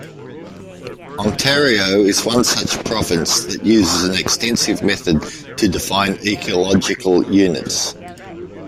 Ontario is one such province that uses an extensive method to define ecological units.